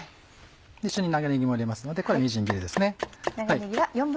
一緒に長ねぎも入れますのでこれはみじん切りです。